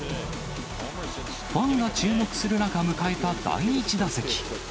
ファンが注目する中、迎えた第１打席。